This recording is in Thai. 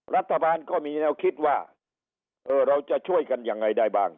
รัฐบาลก็มีแนวคิดว่าเออเราจะช่วยกันยังไงได้บ้าง